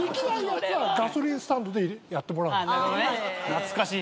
懐かしい。